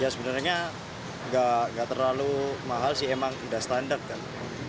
ya sebenarnya nggak terlalu mahal sih emang udah standar kan